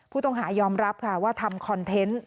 ผู้ต้องหายอมรับค่ะว่าทำคอนเทนต์